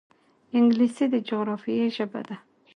انګلیسي د جغرافیې ژبه ده